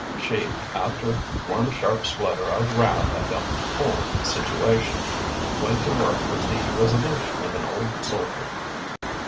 She, after one sharp splutter of wrath at the whole situation, went to work with the resolution of an old soldier.